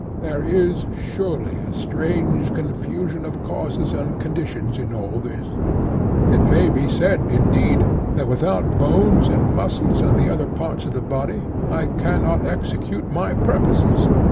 There is surely a strange confusion of causes and conditions in all this. It may be said, indeed, that without bones and muscles and the other parts of the body I cannot execute my purposes.